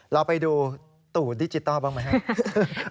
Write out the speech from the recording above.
เราไปดูตู่ดิจิตอลบ้างมั้ยครับ